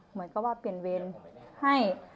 เหมือนกับว่าเปลี่ยนเวรให้